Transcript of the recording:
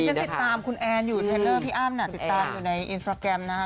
ฉันติดตามคุณแอนอยู่เทรนเนอร์พี่อ้ำน่ะติดตามอยู่ในอินสตราแกรมนะฮะ